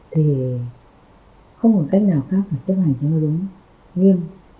thì không có cách nào khác mà chấp hành cho nó đúng nghiêm